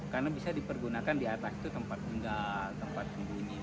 karena bisa dipergunakan di atas itu tempat tinggal tempat sembunyi ketika beranda datang